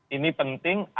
ini penting agar